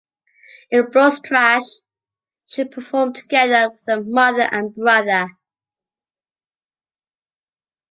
In "Blutrausch" she performed together with her mother and brother.